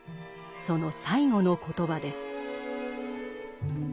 その最後の言葉です。